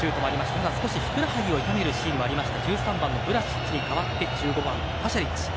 ただ、少しふくらはぎを痛めるシーンもあった１３番、ヴラシッチに代わって１５番、パシャリッチ。